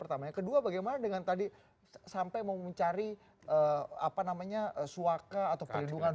pertama yang kedua bagaimana dengan tadi sampai mau mencari apa namanya suaka atau perlindungan